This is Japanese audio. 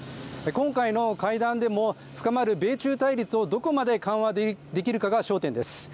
今回の会談でも深まる米中対立をどこまで緩和できるかが焦点です。